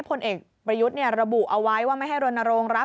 ผลเอกประยุทธ์ระบุเอาไว้ว่าไม่ให้รณรงค์รับ